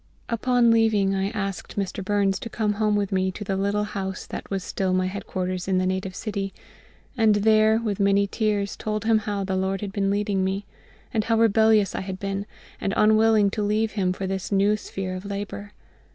Upon leaving I asked Mr. Burns to come home with me to the little house that was still my headquarters in the native city, and there, with many tears, told him how the LORD had been leading me, and how rebellious I had been and unwilling to leave him for this new sphere of labour.